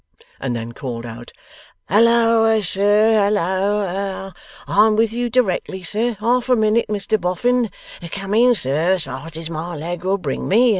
And then called out, 'Halloa, sir! Halloa! I'm with you directly, sir! Half a minute, Mr Boffin. Coming, sir, as fast as my leg will bring me!